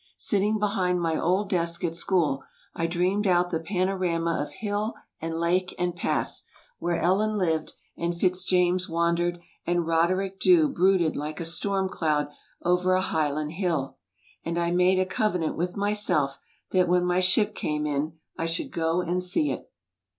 Sitting behind my old desk at school I dreamed out the panorama of hill and lake and pass, where Ellen lived and Fitz James wan dered and Roderick Dhu brooded like a storm cloud over a Highland hill. And I made a covenant with myself that when my ship came in I should go and see it.